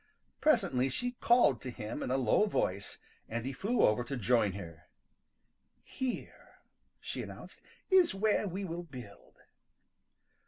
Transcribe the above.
Presently she called to him in a low voice, and he flew over to join her. "Here," she announced, "is where we will build."